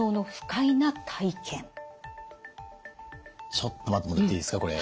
ちょっと待ってもらっていいですかこれ。